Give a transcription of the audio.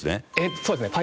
そうですね